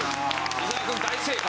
伊沢くん大正解！